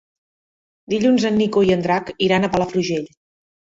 Dilluns en Nico i en Drac iran a Palafrugell.